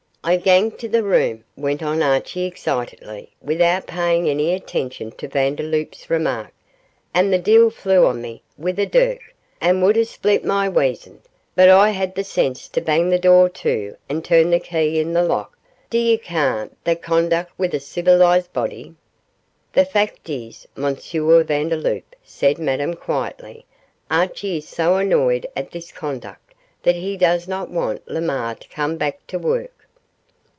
'I gang t' the room,' went on Archie excitedly, without paying any attention to Vandeloup's remark, 'an' the deil flew on me wi' a dirk, and wud hae split my weasand, but I hed the sense to bang the door to, and turn the key in the lock. D'y ca' that conduct for a ceevilized body?' 'The fact is, M. Vandeloup,' said Madame, quietly, 'Archie is so annoyed at this conduct that he does not want Lemaire to come back to work.